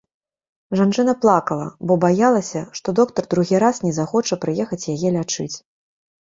Жанчына плакала, бо баялася, што доктар другі раз не захоча прыехаць яе лячыць.